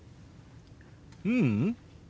ううん。